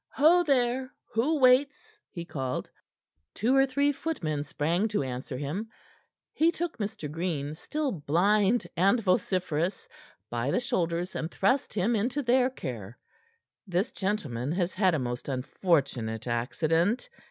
"Ho, there! Who waits?" he called. Two or three footmen sprang to answer him. He took Mr. Green, still blind and vociferous, by the shoulders, and thrust him into their care. "This gentleman has had a most unfortunate accident.